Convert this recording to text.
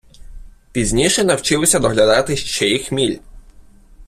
Пізніше навчилися доглядати ще й хміль.